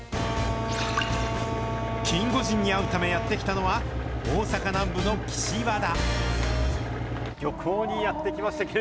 キンゴジンに会うためやって来たのは、大阪南部の岸和田。